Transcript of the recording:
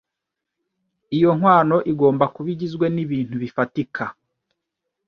Iyo nkwano igomba kuba igizwe n’ibintu bifatika